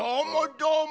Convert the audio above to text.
どーも。